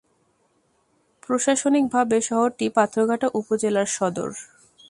প্রশাসনিকভাবে শহরটি পাথরঘাটা উপজেলার সদর।